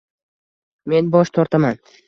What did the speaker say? Men bosh tortaman.